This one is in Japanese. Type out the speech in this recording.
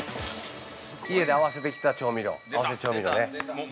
◆家で合わせてきた調味料合わせ調味料ね。